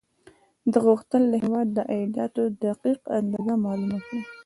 ده غوښتل د هېواد د عایداتو دقیق اندازه معلومه کړي.